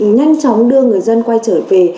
nhanh chóng đưa người dân quay trở về